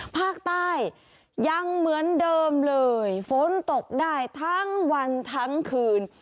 ภาคใต้ยังเหมือนเดิมเลยฝนตกได้ทั้งวันทั้งคืน